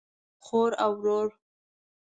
خور او ورور